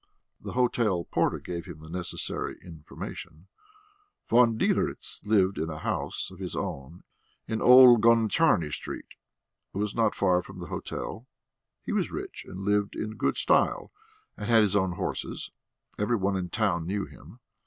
The hotel porter gave him the necessary information; Von Diderits lived in a house of his own in Old Gontcharny Street it was not far from the hotel: he was rich and lived in good style, and had his own horses; every one in the town knew him.